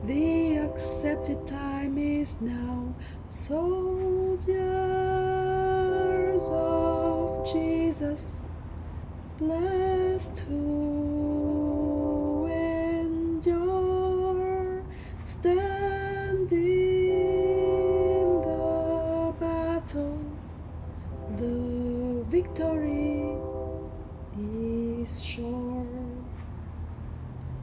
The accepted time is now. Soldiers of Jesus! Blest who endure; Stand in the battle; the victory is sure.